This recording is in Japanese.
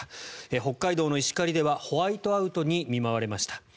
北海道の石狩ではホワイトアウトに見舞われました。